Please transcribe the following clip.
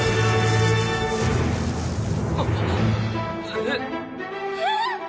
えっ？えっ？